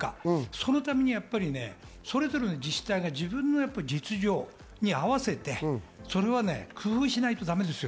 そのためにそれぞれの自治体がそれぞれの実情に合わせて工夫しないとだめですよ。